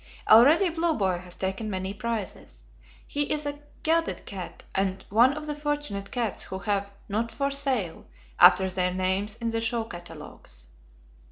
Already Blue Boy has taken many prizes. He is a gelded cat and one of the fortunate cats who have "Not for Sale" after their names in the show catalogues.